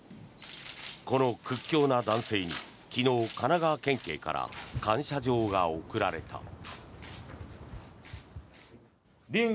この屈強な男性に昨日、神奈川県警から感謝状が贈られた。